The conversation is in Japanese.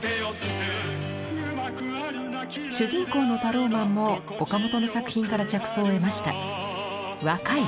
主人公のタローマンも岡本の作品から着想を得ました。